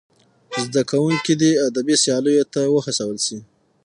زدهکوونکي دې ادبي سیالیو ته وهڅول سي.